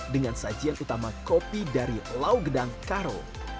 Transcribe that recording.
dengan sajian utama kopi dari lau gedang karo